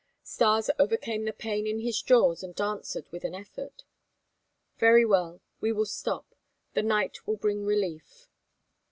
Stas overcame the pain in his jaws and answered with an effort: "Very well. We will stop. The night will bring relief."